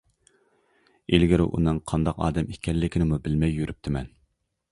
ئىلگىرى ئۇنىڭ قانداق ئادەم ئىكەنلىكىنىمۇ بىلمەي يۈرۈپتىمەن.